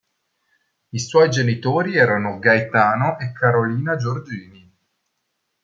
I suoi genitori erano Gaetano e Carolina Giorgini.